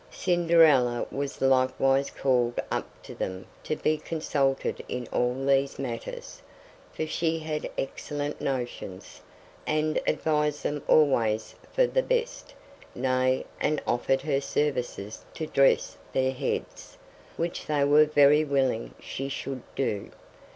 Cinderella was likewise called up to them to be consulted in all these matters, for she had excellent notions, and advised them always for the best, nay, and offered her services to dress their heads, which they were very willing she should do.